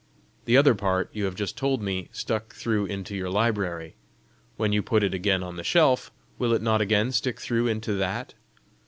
The other part, you have just told me, stuck through into your library: when you put it again on the shelf, will it not again stick through into that?